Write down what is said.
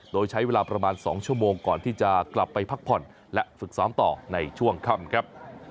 โดยใช้เวลาประมาณ๒ชั่วโมงก่อนที่จะกลับไปพักผ่อนและฝึกซ้อมต่อในช่วงค่ำครับ